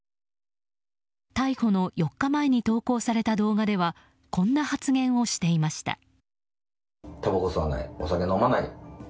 逮捕の４日前に投稿された動画ではこんな発言をしていました。